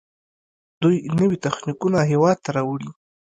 دوی نوي تخنیکونه هیواد ته راوړي.